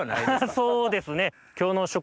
そうですね。